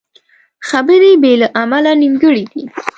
خبرې بې له عمله نیمګړې دي